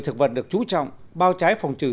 thực vật được chú trọng bao trái phòng trừ